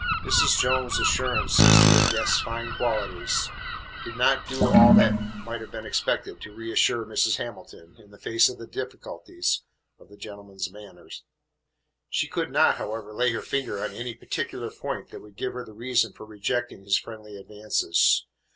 Mrs. Jones' assurance as to her guest's fine qualities did not do all that might have been expected to reassure Mrs. Hamilton in the face of the difficulties of the gentleman's manner. She could not, however, lay her finger on any particular point that would give her the reason for rejecting his friendly advances.